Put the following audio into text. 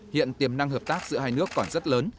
hiện tiềm năng hợp tác giữa hai nước còn rất lớn